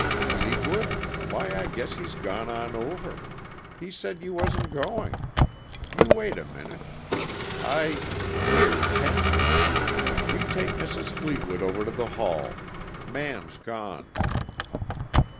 "Fleetwood? Why, I guess he's gone on over. He said you wasn't going. You wait a minute. I here, Kent! You take Mrs. Fleetwood over to the hall. Man's gone."